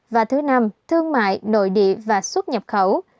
và thứ năm thương mại nội địa và xuất nhập khẩu